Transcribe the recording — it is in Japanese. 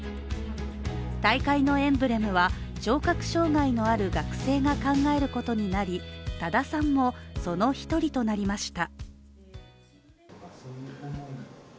大会のエンブレムは聴覚障害のある学生が考えることになり多田さんもその１人となりました。